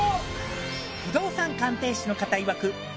不動産鑑定士の方いわく